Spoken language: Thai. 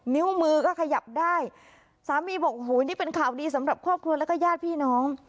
นิ้วมือก็ขยับได้สามีบอกโอ้โหนี่เป็นข่าวดีสำหรับครอบครัวแล้วก็ญาติพี่น้อง